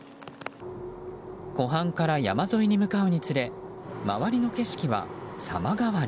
湖畔から山沿いに向かうにつれ周りの景色は様変わり。